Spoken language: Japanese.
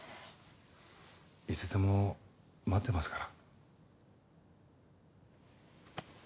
いつでも待ってますから。